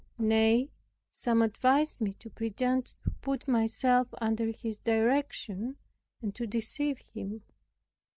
Nay, some advised me to pretend to put myself under his direction, and to deceive him.